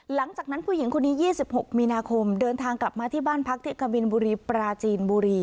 หลังจากนั้นผู้หญิงคนนี้๒๖มีนาคมเดินทางกลับมาที่บ้านพักที่กะบินบุรีปราจีนบุรี